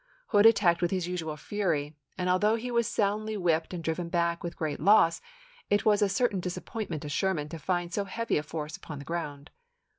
Hood at tacked with his usual fury, and although he was soundly whipped and driven back with great loss, it was a certain disappointment to Sherman to find so heavy a force upon the ground.